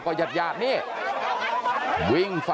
กลับไปลองกลับ